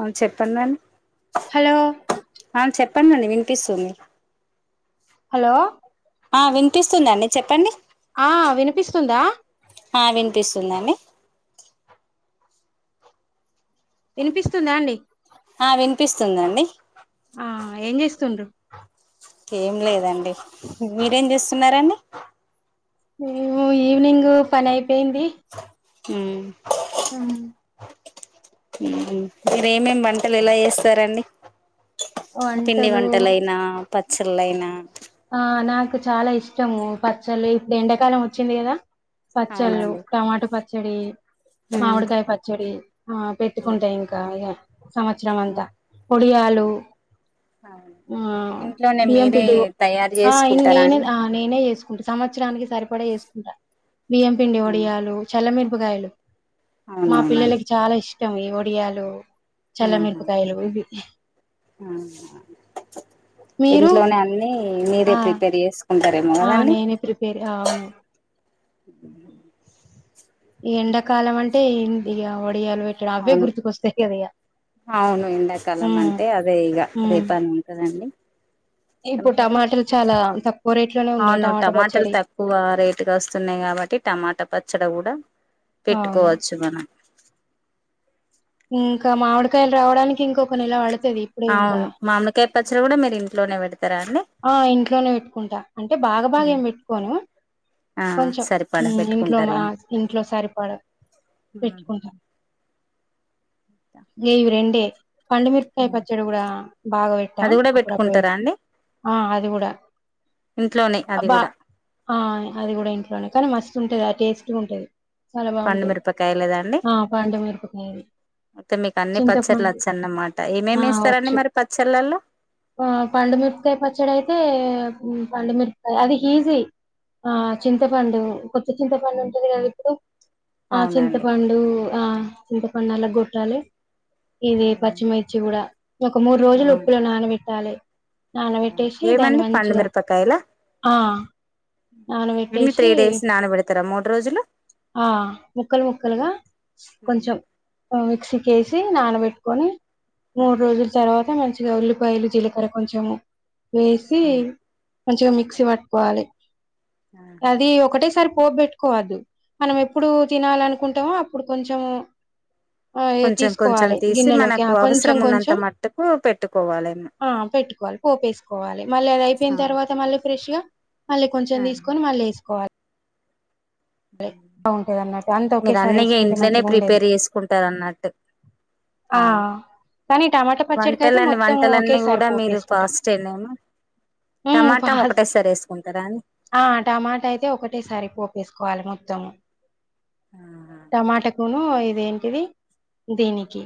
అ చెప్పండి అండీ హలో ఆ చెప్పండి వినిపిస్తుంది హలో ఆ వినిపిస్తుందండి చెప్పండి ఆ వినిపిస్తుందా ఆ వినిపిస్తుందండి వినిపిస్తుందా అండి ఆ వినిపిస్తుందండి ఆ ఏం జేస్ ఏం లేదండి మీరేం చేస్తున్నారండి మేము ఈవినింగ్ పని అయిపోయింది ఊమ్ ఊహ్మ్ మీరెమెమ్ వంటలు ఎలా జేస్తారండి పిండి వంటలు వంటలైనా పచ్చళ్ళైనా ఆ నాకు చాలా ఇష్టము పచ్చళ్ ఇప్పుడు ఎండాకాలం వచ్చింది కదా పచ్చళ్ళు అవునండి టమాట పచ్చడి అవును మామిడికాయ పచ్చడి ఆ పెట్టుకుంటాయి ఇంకా ఇ సంవత్సరం అంతా వడియాలు అవు ఇంట్లోనే మీరే తయారు ఆ ఇన్ చేసుకుంటారా నేనే అండి నేనే చేసుకుంట సంవత్సరానికి సరిపడ చేసుకుంటా బియ్యం పిండి వడియాలు చల్లమిరపకాయలు మా అవునవునండి పిల్లలకి చాలా ఇష్టం ఈ వడియాలు ఆహా చల్లమిరపకాయలు ఇవి మీరు ఇంట్లోనే అన్నిీ మీరే ఆ ప్రిపేర్ చేసుకో ఆ నేనే ప్రిపేర్ ఆ అవును ఈ ఎండాకాలం అంటే ఏ ఇక ఒడియాలు పెట్టాడు అవే అవును గుర్తుకొస్తాయి కదా ఇక అవును ఎండాకాలం అంటే అదే ఇక ఉమ్ రేపాని ఉంటదండి ఇప్పుడు మీరు టమాటర్ చాలా తక్కువ రేట్ లోనే ఉన్నాయి అవును టమాటా టమాటాలు పచ్చడి తక్కువ రేటుగా వస్తున్నాయి కాబట్టి టమాటా పచ్చడి కూడా అవును పెట్టుకోవచ్చు మనం ఇంకా మామిడికాయలు రావడానికి ఇంకొక నేల పడతాది అవును మామిడి కాయ పచ్చడి కూడా మీరు ఇంట్లోనే పెడతా ఆ ఇంట్లోనే పెట్టుకుంటా అంటే బాగా బాగా ఉమ్. ఏం పెట్టుకోను ఆ కొంచెం హు సరిపడా ఇంట్లో మా ఇంట్లో సరిపడ హు ఏ ఇవి రెండే పండుమిరకాయ ఉమ్. పచ్చడి కూడా బాగా పెట్టా అది కూడా అప్పుడప్పుడు పెట్టుకుంటారా అండి ఆ అది కూడా ఇంట్లోనే అది బా కూడా అది కూడా ఇంట్లోనే కానీ మస్తు ఉంటది అది టేస్ట్ గా ఉంటది చాలా పండు బాగుంటది మిరపకాయలేదా అండి ఆ పండు మిరపకాయలు అయితే మీకు అన్ని పచ్చళ్ళు వచ్చు అన్నమాట ఆ ఏమేమి ఇస్తారండి వచ్చు మరి పచ్చళ్లలో ఆ పండు మిరపకాయ పచ్చడి అయితే పండు మిరపకాయ అది ఈజీ ఆ చింతపండు కొత్త చింతపండు ఉంటుంది కదా ఇప్పుడు ఆ అవునండి చింతపండు ఆ చింతపండు నల్లగొట్టాలే ఇది పచ్చిమిర్చి కూడా ఇగ ఒక మూడు ఆ రోజులు ఉప్పులో నానబెట్టాలే నానబెట్టేసి దాని ఏమండి పండు మంచిగా మిరపకాయలా ఆ ఎన్ని త్రీ నానబెట్టేసి డేస్ నానబెడతారా మూడు రోజులు ఆ ముక్కలు ముక్కలుగా కొంచెం మిక్సీ కేసి నానబెట్టు కోని మూడు రోజుల తర్వాత మంచిగా ఉల్లిపాయలు జీలకర కొంచము వేసి మంచిగా మిక్సీ పట్టుకోవాలి ఆహా అది ఒకటేసారి పోబెట్టుకోవద్దు మనం ఎప్పుడు తినాలనుకుంటామో అప్పుడు కొంచెం ఆ ఇగ కొంచెం కొంచెం తీసుకోవాలే తీసి గిన్నెలోకి మనకు ఆ కొంచెం అవసరం ఉన్నంత కొంచెం మట్టుకు పెట్టుకోవాలేమో పెట్టుకోవలే పోపేసుకోవాలి మళ్ళ అది అయిపోయిన తర్వాత మళ్ళ ఫ్రెష్ గా మళ్ళ కొంచెం తీసుకుని మళ్ళీ వేసుకోవలే దే బాగుంటేది అన్నట్టు అంతా మీరు ఒకేసారి అన్నీ ఇగ వేసుకుంటే ఇంట్లోనే మంచిగా ఉండేది ప్రిపేర్ చేసుకుంటారు అన్నట్టు ఆ అవును కానీ టమాటా పచ్చడికైతే వంటలని మొత్తం వంటలు అన్నీ ఒకేసారి కూడా మీరు పోపేసుకుంటా ఫాస్ట్ ఏనా హ్మ్ టమాటా ఫాస్ట్ ఒకటేసారే వేసుకుంటారా అండి ఆ టమాటా అయితే ఒకటేసారి పోపేసుకోవాలి మొత్త మొత్తము ఆహా టమాటకును ఇది ఏంటిది దీనికి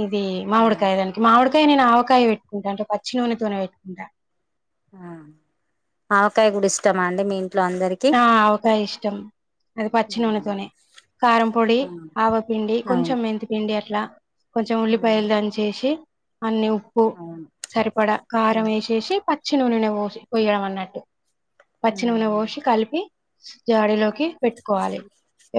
ఇది మామిడికాయ దానికి మామిడికాయ నేను ఆవకాయ పెట్టుకుంటాను అంటే పచ్చి నూనెతోనే పెట్టుకుంటా ఆ ఆవకాయ కూడా ఇష్టమా అండి మీ ఇంట్లో అందరికి ఆ ఆవకాయఇష్టం అది ఆ పచ్చి నూనెతోనేే కారం పొడి ఆవపిండి అవును కొంచెం మెంతుపిండి అట్లా ఇట్లా కొంచెం ఉల్లిపాయలు దంచి ఎసి అన్ని ఉప్పు అవును సరిపడా ఉ కారం వేసేసి ప పచ్చి ననే పోసి పోయడం అన్నట్టు ఉహు కి జాడీలోకి పెట్టుకోవాలి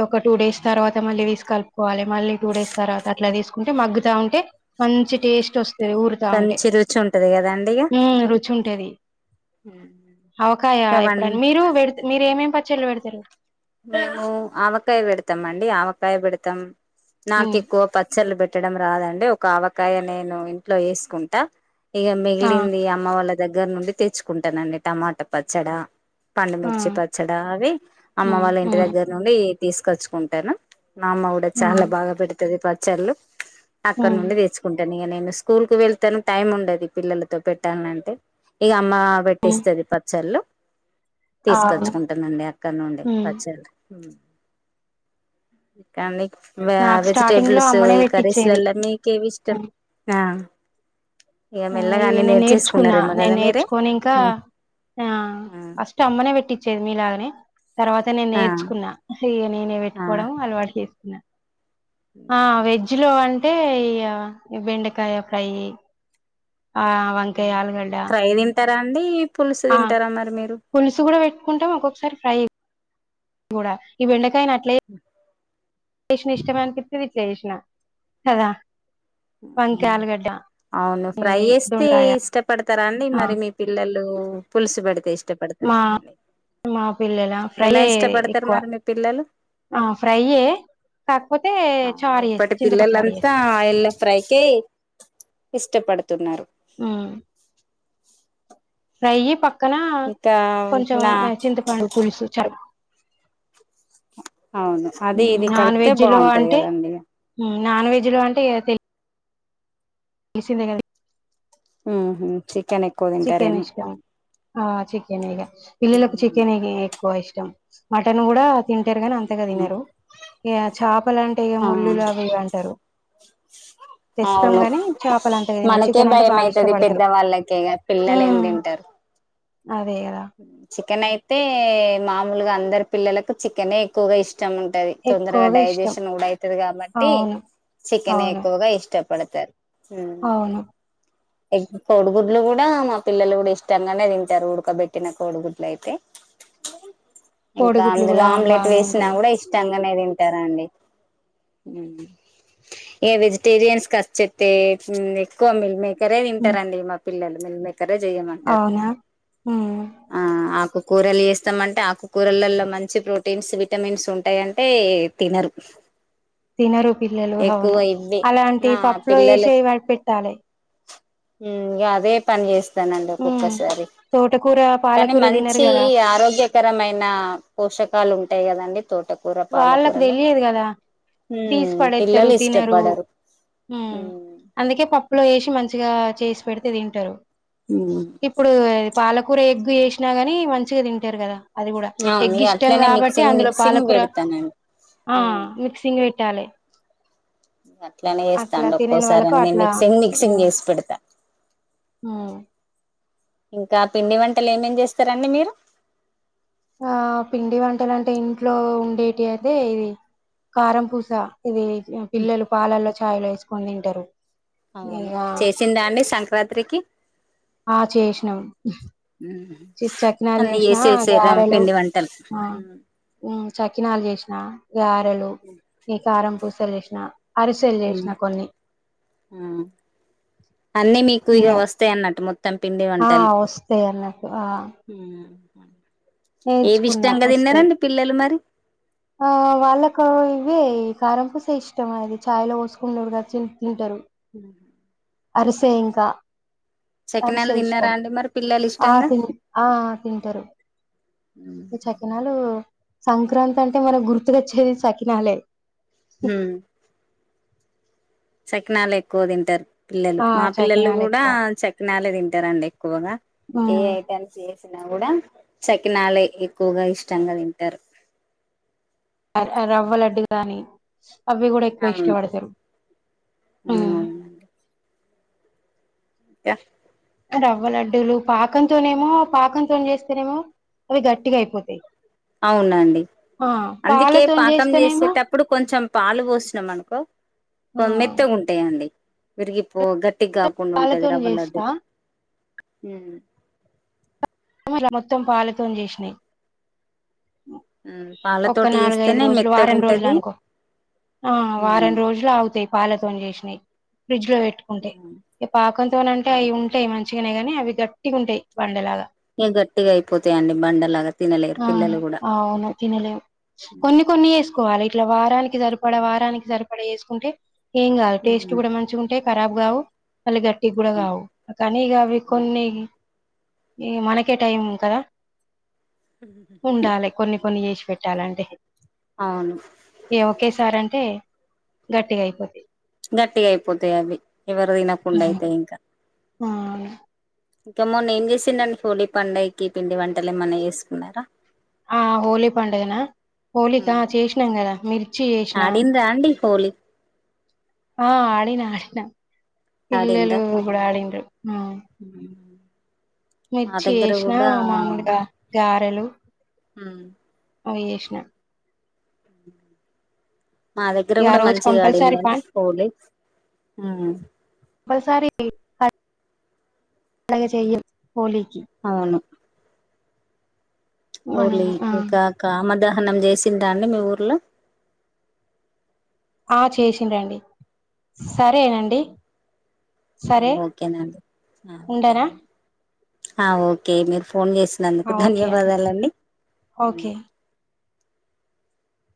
ఒక టూ డేస్ తర్వాత మళ్లీ తీసు కలుపుకోవాలి మళ్ళ టూ డేస్ తర్వాత అట్లా తీసుకుంటే మగ్గుతా ఉంటే మంచి టేస్ట్ వస్తు ఊరుతా ఉంటే కంచి రుచి ఉంటది కదండి ఇగ హు రుచి ఉంటది ఉ అవకాయా ఇక ఎప్పుడ వన్ అ మీరు పెడుతే మీరు ఏమేమి పచ్చళ్ళ పెడతారు మేము ఆవకాయ పెడతాం అండి ఆవకాయ పెడతాం నాకు ఉమ్ ఎక్కువ పచ్చళ్ళ పెడ పెట్టడం రాదండి ఒక అవకాయ నేను ఇంట్లో వేసుకుంటా ఇగ ఆ మిగిలింది అమ్మ వాళ్ళ దగ్గర నుండి తెచ్చుకుంటానండి టమాటా పచ్చడా ఆ పండుమిర్చి పచ్చడా అవి అమ్మ ఉమ్ వాళ్ళ ఇంటి ఉమ్ దగ్గర నుండి తీసుకొచ్చుకుంటాను మా అమ్మ కూడా చాలా ఉమ్ బాగా పెడుతుది ప పచ్చళ్ళు అక్కడ ఉమ్ నుండి తెచ్చుకుంటాను ఇగ నే స్కూల్ కు వెళ్తాను టైం ము ఉండదు పిల్లలతో పెట్టాలంటే ఇగ అ మా ఉమ్ పెట్టిస్తది పచ్చళ్ళు అవును తీస్కొచ్చుకుంటుందండి అక్కడ నుండే ఉమ్ పచ్చళ్ళు మ్ కానీ నాకు స్టార్టింగ్ లో వెజిటేబిల్సు అమ్మనే ఈ పెట్టిచ్చేది కర్రీస్లలో మీకేవి ఇష్టం ఇక ఆ మెల్లగా ఇవి అన్ని నే నేర్చుకున్నా నేర్చేసుకున్నారేమో నేను కదా మీరే నేర్చుకొని ఇంకా ఉమ్ ఆ ఫస్ట్ అమ్మనే పెట్టి చేది మీలాగనే తర్వాత నేను ఆ నేర్చుకున్నా ఇగ నేనే ఆ పెట్టుకోవడం అలవాటు చేసుకున్నా ఆ వెజ్ లో అంటే ఇగ బెండకాయ ఫ్రై ఆ వంకయ్ ఆళగడా ఫ్రై తింటారా అండి పులుసు తింటారా మరి మీరు తింటాం ఒక్కొక్కసారి ఫ్రై కూడా ఈ బెండకాయని అట్ల [unintelligible] ఇష్టమనిచెప్పి ఇట్ల చేేసినా కదా వంకాయ ఆలుగడ్డ అవును ఫ్రై ఇవి చేస్తే దొండకాయ ఇష్టపడతారా అండి ఆ మరి మీ పిల్లలు ప్పుడు పులుసు పెడితే ఇష్టపడతా అండి పిల్లలా ఫ్రైయే ఎక్కువ అ ఫ్రైయే కాకపోతే అవునా చారు చేస్తా ఇప్పటి చింతపండు చారు పిల్లలంతా చేస్తా ఆయిల్ ఫ్రైకే ఇష్టపడుతున్నారు మ్మ్ నెయ్యి పక్కన ఇంకా కొంచెం నా చింతపండు పులుసు చారు అవును అది మ్ ఇది నాన్ కలిపితే వెజ్ లో బాగుంటది అంటే కదండి ఇగ నాన్ వెజ్ లో అంటే ఇగ తె తెలిసిందే కదా మ్ హూ చికెన్ ఎక్కువ చికెన్ తింటారేమో ఇష్టం ఆ చికెనే ఇగ పిల్లలకు చికెనే ఇగ ఎక్కువ ఇష్టం మటన్ కూడా తి టరుగాని అంతగా తినరు ఇగ చేపలు అంటే ఇగ ఆ ముళ్ళులు అవి ఇవి అంటరు అవును అంతగా తినరు మనకే చికెన్ అంటే బాగా భయమైతది పెద్ద ఇష్టపడతారు వాళ్ళకే ఇగ పిల్లలు ఏం ఉమ్, తింటరు అదే కదా చికెన్ అయితే మామూలుగా అందరు పిల్లలకు చికెనే ఎక్కువగా ఇష్ట ష్టముటది తొందరగా ఎక్కువగా ఇష్టం డైజెషన్ కూడా అయితది కాబట్టి అవును చికెనే అవును ఎక్కువగా ఇష్టం పడతారు అవును కోడుగుడ్లు కూడా మా పిల్లలు కూడా ఇష్టంగనే తింటారు ఉడకబెట్టి ట్టిన కోడుగుడ్లు అయితే ఇంకా కోడిగుడ్లు అందులో కూడా ఆమ్లెట్ బాగానే వేసిన ఉంటాయి కూడా ఇష్టంగ గనే తింటారండి ఏ వెజిటేరియన్స్ కస్చతే ఎక్కువ మిల్మేక్ క్కరే ఉమ్, తింటారండి మా పిల్లలు మిల్మేకరే చెయమంటారు అవునా ఉమ్, ఆ ఆకు కూరలు చేస్తామంటే ఆకుకూరలలో మంచి ప్రోటీన్స్ విటమిన్స్ ఉంటాయంటే తినరు తినరు పిల్లలు ఎక్కువ అవును ఇవ్వే నా అలాంటియి పప్పులో యేసి పెట్టాలే మ్మ్ ఇగ అదే పని చేస్తానండి ఉమ్ ఒక్కొక్కసారి తోటకూర కానీ పాలకూర తినరు మంచి కదా ఆరోగ్యకరమైన పోషకాలు ఉంటాయి కదండి తోట వాళ్ళకు తెలియదు కదా తీసి పడేత్తరు పిల్లలు తినరు ఇష్టపడరు మ్ అందుకే పప్పులో యేసి మంచిగా చేసి పెడితే తింటరు మ్మ్ పాలకూర ఎగ్గు చేసినా గాని మంచిగ తింటరు కదా అది కూడా అవును ఎగ్ ఇగ ఇష్టం అట్లనే కాబట్టి మిక్సింగ్ అందులో మిక్సింగ్ పాలకూర పెడతానండి ఆ మిక్సింగ్ వెట్టాలే గట్లనే చేస్తా అండి తినని ఒక్కోసారి వాళ్ళకు అని అట్లా మిక్సింగ్ మిక్సింగ్ చేసి పెడతా మ్మ్ ఇంకా పిండి వంటలు ఏమేం చేస్తారండి మీరు ఆ పిండి వంటలు అంటే ఇంట్లో ఉండేటి అదే ఇది కారం పూస ఇది పిల్లలు పాలల్లో చాయలో వేసుకొని తింటారు అవును ఇక చేసిందా అండి సంక్రాంతికి ఆ చేేషినం చి చకనాలు అన్ని చేసినా చేసేసారా గారెలు పిండి వంటలు ఆ హ్మ్ చకినాలు చేసిన గారెలు ఈ కారం పూసలు చేస్ అరిసెలు చేసిన కొన్ని అన్ని మీకు హ్మ ఇక వస్తాయి అన్నట్టు మొత్తం పిండి ఆ వంటలు వస్తాయి అనట్టు ఆ ఏమి నేర్చుకున్నా ఇష్టంగా వస్తాయి తిన్నారండి పిల్లలు మరి ఆ వాళ్ళకు ఇవి కారం పూస ఇష్టం అది చాయ్లో పోసుకున్నడు తి తింటారు ఉ అరిసే ఇంకా చకినాలు అరిసె తిన్నారా ఇష్టం అండి మరి పిల్లలు ఆ ఇష్టంగా తీన్ ఆ తింటారు ఈ చకినాలు సంక్రాంతి అంటే మన గుర్తుకచ్చేది శకినాలే హ్మ్ సకినాలే ఎక్కువ తింటారు పిల్లలు ఆ మా పిల్లలు చకినాలు కూడా ఎక్కువ చకినలే తింటారండి ఎక్కువగా ఏ ఉమ్. ఐటెమ్స్ చేసిన్ నాకూడా చకినాలే ఎక్కువగా ఇష్టంగా తింటారు రవ్వలడ్డు కాని అవి కూడా ఎక్కువ అవును ఇష్టపడతారు హ్మ్ అవునండి ఇంకా రవ్వ లడ్డూలు పాకంతోనేమో పాకంతో చేస్తేనేమో అవి గట్టిగా అయిపోతాయి అవునండి ఆ అందుకే పాలతోని పాకం చేస్తేనేమో చేసేటప్పుడు కొంచెం పాలు పోసినం అనుకో ఆ కొ మెత్తగా ఉంటాయండి విరిగి పో గట్టికి కాకుండా ఉంటది పాలతోని రవ్వలడ్డు చేస్తా హ్మ్ ఇట్ల మొత్తం పల్తోని చేసినాయి ఉమ్ ఒక పాలతోటి నాలుగఐదు చేస్తేనే రోజులు మెత్తగా వారం రోజులు ఉంటది అనుకో ఆ వారం రోజులు అగుతాయి పాలతోని చేసిన్ ఇ ఫ్రిడ్జ్ లో పెట్టుకుంటే పాకంతోనంటే అవి ఉంటాయి మంచ మంచినే గానీ అవి గట్టిగా ఉంటాయి బండలాగా ఇ గట్టిగా అయిపోతాయిండి బండలాగా తినలేరు ఆ పిల్లలు కూడా అవును తినలేము కొన్ని కొన్ని ఎస్ సుకోవాలి ఇట్లా వారానికి సరిపడా వారానికి సరిపడా వేసుకుంటే ఏం కాద్ టేస్ట్ కూడా మంచిగా ఉంటాయి ఖరాబ్ కావు మళ్ళీ గట్టి కూడా కావు కానీ ఇక అవి కొన్ని ఈ మనకే టైం కదా ఉండాలి కొన్ని కొన్ని చేస పెట్టాలంటే అవును ఏ ఒకే సారే అంటే గట్టిగా అయిపోతాయ్ గట్టిగా అయిపోతాయి అవి ఎవరు తినకుండా అయితాయి ఇంకా ఆ ఇంకా మొన్న ఏం చేసిండండి హోలీ పండగకి పిండి వంటలు ఏమన్నా చేసుకున్నారా ఆ హోలీ పండుగనా హోలికా చేసినాం కదా మిర్చి చేసినా ఆడిండ్రా అండి హోలీ ఆ ఆడిన ఆడిన పిల్లలు ఆడిండ్రా కూడా ఆడిరు హ్మ మా మిర్చి దగ్గర వేసినా కూడా మామూలుగా గారెలు హ్మ్ అవి చేసిన మా దగ్గర ఇగ ఆ కూడా మంచిగా ఆడిందండి హోలీ ఒకసారి పండగ చేయం హోలీ కి అవును మనం హోలీ ఆ ఇంకా కామన్ దహనం చేసిండ్ర అండి మీ ఊర్లో ఆ చేసిడ్రాండీ. సరేనండి. ఆ సరే ఒకేనండి ఆ ఓకేన ఉండనా ఆ ఓకే. మీరు ఫోన్ చేసినందుకు ఆ ఓకే అండి ధన్యవాదాలండి. ఓకే